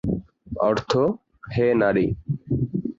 অর্থঃ হে নারী!